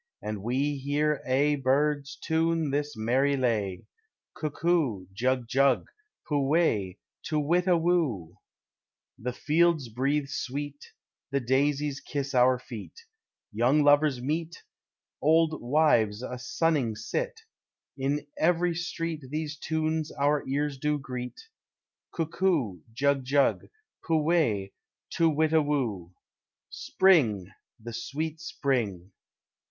And we hear aye birds tune this merry lay, Cuckoo, jug jug, pu we, to witta woo! The fields breathe sweet, the daisies kiss our feet, Young lovers meet, old wives a sunning sit, In every street these tunes our ears do greet, Cuckoo, jug jug, pu we, to witta woo! Spring! the sweet spring!